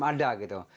belum ada gitu